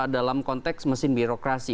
dalam konteks mesin birokrasi